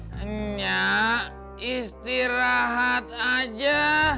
minyak istirahat aja